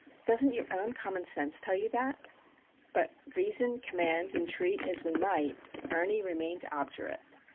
Doesn't your own common sense tell you that?" But reason, command, entreat as we might, Ernie remained obdurate.